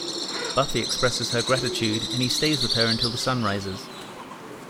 Buffy expresses her gratitude, and he stays with her until the sun rises.